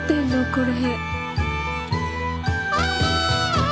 これ。